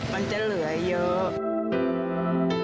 มันจะเหลือเยอะ